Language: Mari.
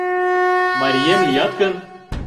Марием лият гын...